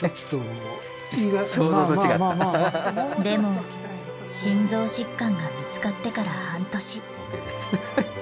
でも心臓疾患が見つかってから半年。